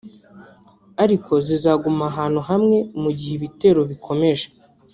ariko zizaguma ahantu hamwe mu gihe ibitero bikomeje